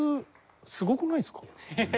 すごくないですか？